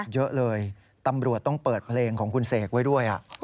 เยอะเลยตำรวจต้องเปิดเพลงของคุณเสกไว้ด้วย